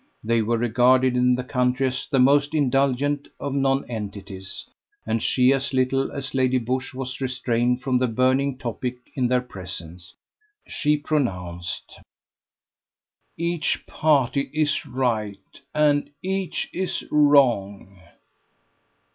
They were regarded in the county as the most indulgent of nonentities, and she as little as Lady Busshe was restrained from the burning topic in their presence. She pronounced: "Each party is right, and each is wrong."